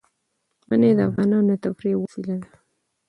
منی د افغانانو د تفریح یوه وسیله ده.